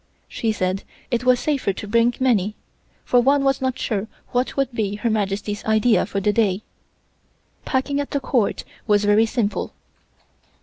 She said it was safer to bring many, for one was not sure what would be Her Majesty's idea for the day. Packing at the Court was very simple.